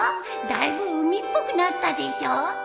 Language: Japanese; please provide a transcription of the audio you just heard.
だいぶ海っぽくなったでしょ？